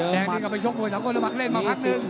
แดดนิ่งออกไปชกมวยทั้งคนแล้วบัครเล่นวันเมื่อกี้